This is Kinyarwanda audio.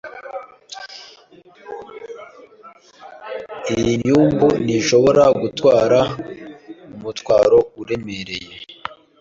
Iyi nyumbu ntishobora gutwara umutwaro uremereye.